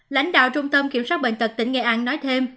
lãnh đạo trung tâm kiểm soát bệnh tật tỉnh nghệ an nói thêm